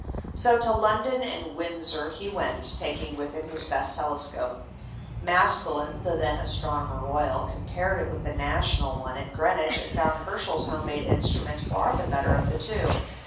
So to London and Windsor he went, taking with him his best telescope. Maskelyne, the then Astronomer Royal, compared it with the National one at Greenwich, and found Herschel's home made instrument far the better of the two.